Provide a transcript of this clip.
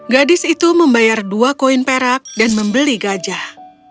gadis itu membayar dua koin perak dan membeli gajah